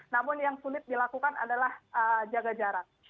namun yang sulit dilakukan adalah jaga jarak